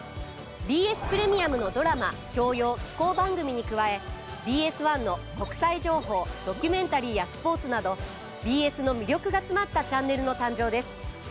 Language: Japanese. ＢＳプレミアムのドラマ教養紀行番組に加えＢＳ１の国際情報ドキュメンタリーやスポーツなどＢＳの魅力が詰まったチャンネルの誕生です。